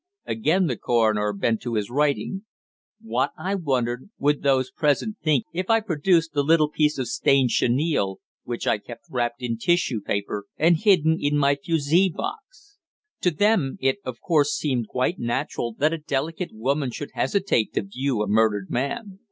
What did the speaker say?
Again the coroner bent to his writing. What, I wondered, would those present think if I produced the little piece of stained chenille which I kept wrapped in tissue paper and hidden in my fusee box? To them it, of course, seemed quite natural that a delicate woman should hesitate to view a murdered man.